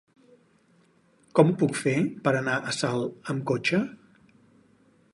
Com ho puc fer per anar a Salt amb cotxe?